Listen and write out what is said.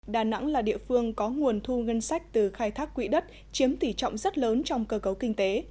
đà nẵng là địa phương có nguồn thu ngân sách từ khai thác quỹ đất chiếm tỷ trọng rất lớn trong cơ cấu kinh tế